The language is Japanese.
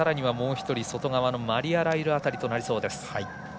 外側のマリア・ライル辺りとなりそうです。